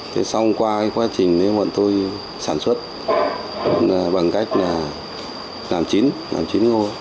thế xong qua quá trình bọn tôi sản xuất bằng cách làm chín làm chín ngô